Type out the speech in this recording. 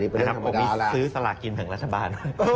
ผมมีซื้อสลากกินแบ่งรัฐบาล